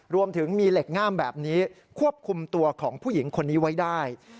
รวมถึงมีเหล็กง่ามแบบนี้ควบคุมตัวของผู้หญิงคนนี้ไว้ได้